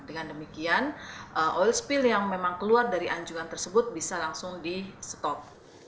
dengan demikian oil spill yang memang keluar dari anjungan tersebut bisa langsung di stop